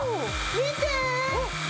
見て！